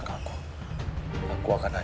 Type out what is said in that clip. atau terjadi sesuatu sama anak aku